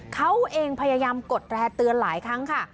เขาเองพยายามกดแร่เตือนหลายครั้งค่ะ